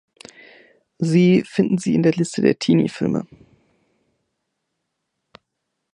Sie finden sie in der Liste der Teenie-Filme.